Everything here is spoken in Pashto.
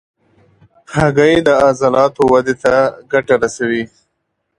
هګۍ د عضلاتو ودې ته ګټه رسوي.